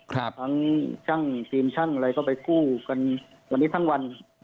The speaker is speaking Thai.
ทั้งช่างทีมช่างอะไรก็ไปกู้กันวันนี้ทั้งวัน